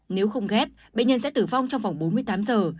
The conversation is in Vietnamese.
nếu không ghép bệnh nhân sẽ tử vong trong vòng bốn mươi tám giờ